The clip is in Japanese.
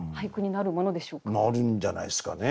なるんじゃないですかね。